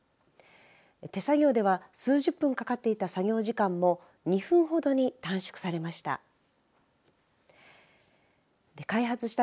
手作業では数十分かかっていた作業時間も２分ほどに短縮されました。